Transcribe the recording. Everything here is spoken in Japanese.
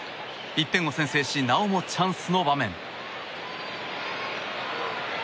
１点を先制しなおもチャンスの場面。